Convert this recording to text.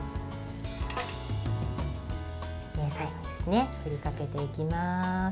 最後ですね、振りかけていきます。